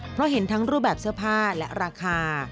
เพราะเห็นทั้งรูปแบบเสื้อผ้าและราคา